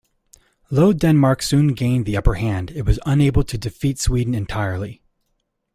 Though Denmark soon gained the upper hand, it was unable to defeat Sweden entirely.